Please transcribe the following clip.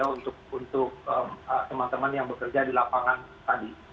untuk teman teman yang bekerja di lapangan tadi